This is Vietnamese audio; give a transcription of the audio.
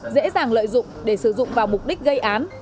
dễ dàng lợi dụng để sử dụng vào mục đích gây án